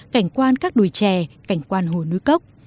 cảnh quan các đùi trè cảnh quan hồ núi cốc